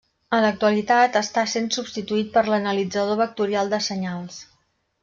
En l'actualitat està sent substituït per l'analitzador vectorial de senyals.